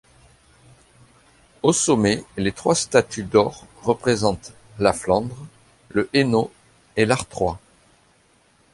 Au sommet, les trois statues d'or représentent La Flandre, le Hainaut et l'Artois.